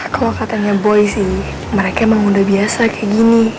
kalau katanya boy sih mereka emang udah biasa kayak gini